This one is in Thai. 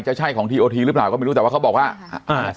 ใช่ของทีโอทีหรือเปล่าก็ไม่รู้แต่ว่าเขาบอกว่าอ่า